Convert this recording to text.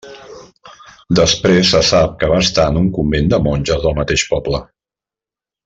Després se sap que va estar en un convent de monges del mateix poble.